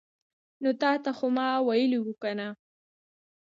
نو تاته خو ما ویلې وو کنه